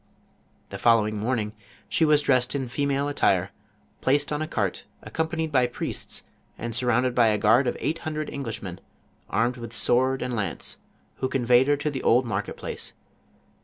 The following morning she was dressed in female attire, placed on a cart, accompanied by priests, and surrounded by a guard of eight hundred Englishmen, armed with sword and lance, who conveyed her to the old market place.